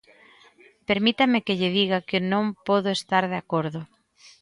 Permítame que lle diga que non podo estar de acordo.